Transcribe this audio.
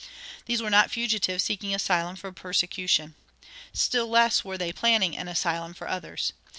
These were not fugitives seeking asylum from persecution. Still less were they planning an asylum for others.